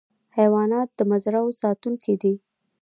حیوانات د مزرعو ساتونکي دي.